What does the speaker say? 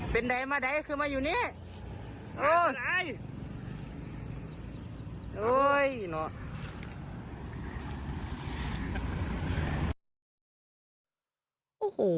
เป็นไหนมาคือมาอยู่นี้